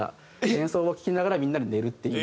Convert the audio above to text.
演奏を聴きながらみんなで寝るっていう。